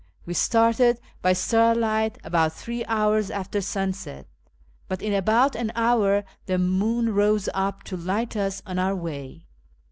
We started by starlight about three hours after sunset, but in about an hour the moon rose up to light us on our way.